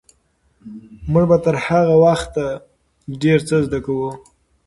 موږ به تر هغه وخته ډېر څه زده کړي وي.